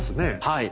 はい。